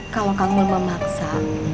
kalau kamu memaksa